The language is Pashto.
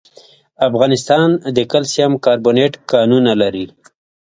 افغانستان د کلسیم کاربونېټ کانونه لري.